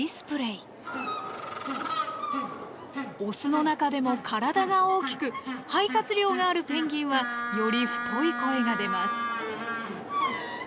オスの中でも体が大きく肺活量があるペンギンはより太い声が出ます。